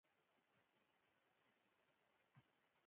چرګان د تودوخې زیاتیدو سره وزرونه پراخوي.